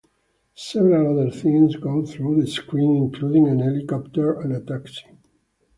Several other things go through the screen, including a helicopter and a taxi.